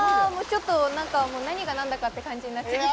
何が何だかって感じになっちゃって。